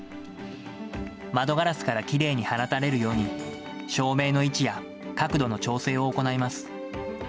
窓ガラスからきれいに放たれるように、照明の位置や角度の調整を行います。